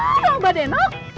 ah bang badeno